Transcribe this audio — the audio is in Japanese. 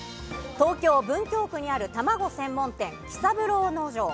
東京・文京区にある、たまご専門店・喜三郎農場。